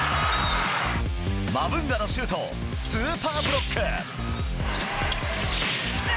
マブンガのシュートをスーパーブロック。